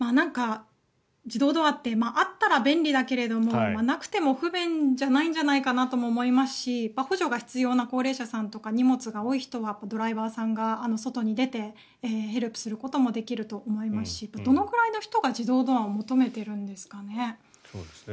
自動ドアってあったら便利だけれどもなくても不便じゃないんじゃないかと思いますし補助が必要な高齢者さんとか荷物が多い人はドライバーさんが外に出てヘルプすることもできると思いますしどのくらいの人が自動ドアを求めてるんですかね。